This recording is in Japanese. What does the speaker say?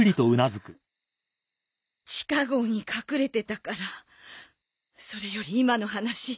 地下壕に隠れてたからそれより今の話